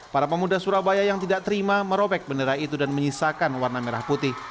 para pemuda surabaya yang tidak terima merobek bendera itu dan menyisakan warna merah putih